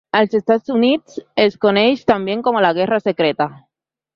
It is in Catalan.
Als Estats Units es coneix també com la Guerra Secreta.